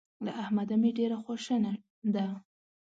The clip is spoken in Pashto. له احمده مې ډېره خواشنه ده.